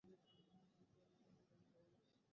তোর পুরো পরিবার পুড়ে ছাই হয়ে যাবে।